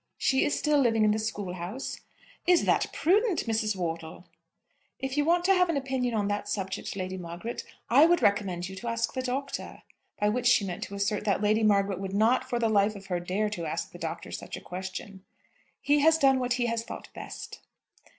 "She is still living in the school house." "Is that prudent, Mrs. Wortle?" "If you want to have an opinion on that subject, Lady Margaret, I would recommend you to ask the Doctor." By which she meant to assert that Lady Margaret would not, for the life of her, dare to ask the Doctor such a question. "He has done what he has thought best."